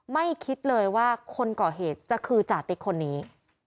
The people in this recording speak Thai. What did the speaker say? ไม่คิดเลยว่าคนก่อเหตุจะคือจาติ๊กคนนี้